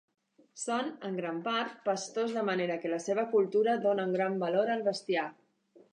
Són, en gran part, pastors, de manera que la seva cultura dona un gran valor al bestiar.